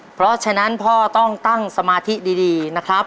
เพราะฉะนั้นพ่อต้องตั้งสมาธิดีนะครับ